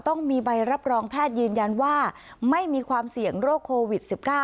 ต้องมีใบรับรองแพทย์ยืนยันว่าไม่มีความเสี่ยงโรคโควิด๑๙